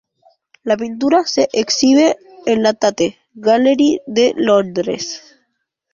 La pintura se exhibe en la Tate Gallery de Londres.